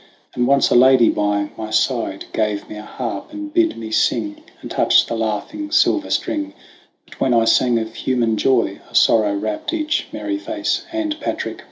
And once a maiden by my side Gave me a harp, and bid me sing, And touch the laughing silver string; But when I sang of human joy A sorrow wrapped each merry face, And, Patric !